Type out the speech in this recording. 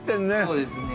そうですね。